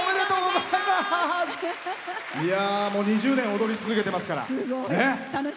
もう２０年踊り続けてますから。